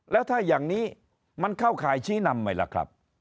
แล้วถ้าอย่างนี้มันเข้าข่ายชี้นำไหมล่ะครับ